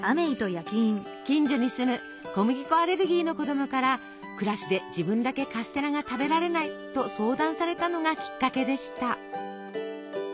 近所に住む小麦粉アレルギーの子供からクラスで自分だけカステラが食べられないと相談されたのがきっかけでした。